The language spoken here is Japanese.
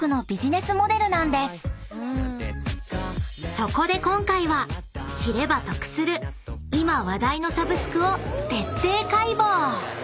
［そこで今回は知れば得する今話題のサブスクを徹底解剖！］